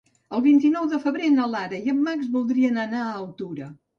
El vint-i-nou de febrer na Lara i en Max voldrien anar a Altura.